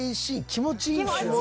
気持ちいいです！